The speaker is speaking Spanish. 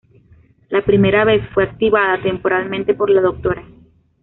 La primera vez fue activada temporalmente por la Dra.